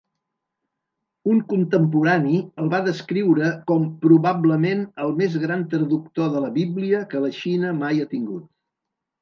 Un contemporani el va descriure com "probablement el més gran traductor de la Bíblia que la Xina mai ha tingut".